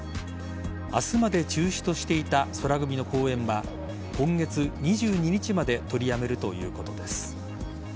明日まで中止としていた宙組の公演は今月２２日まで取りやめるということです。